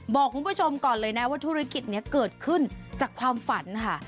บอกคุณผู้ชมก่อนเลยนะว่าธุรกิจนี้เกิดขึ้นจากความฝันค่ะ